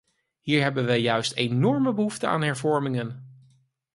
Hier hebben wij juist enorme behoefte aan hervormingen!